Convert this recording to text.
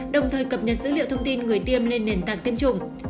đồng thời cập nhật dữ liệu thông tin người tiêm lên nền tảng tiêm chủng